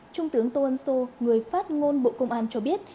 trung tướng tô ân sô người phát ngôn bộ công an cho biết